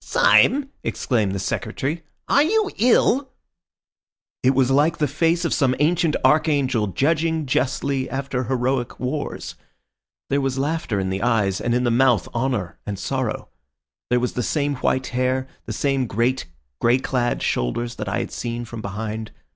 "Syme," exclaimed the Secretary, "are you ill?" "It was like the face of some ancient archangel, judging justly after heroic wars. There was laughter in the eyes, and in the mouth honour and sorrow. There was the same white hair, the same great, grey clad shoulders that I had seen from behind.